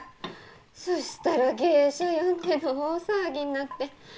そしたら芸者呼んでの大騒ぎになって。